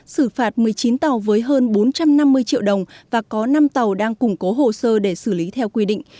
xử phạt một mươi chín tàu với hơn bốn trăm năm mươi triệu đồng và có năm tàu đang củng cố hồ sơ để xử lý theo quy định